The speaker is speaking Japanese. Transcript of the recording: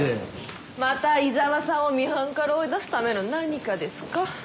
また井沢さんをミハンから追い出すための何かですか？